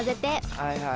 はいはい。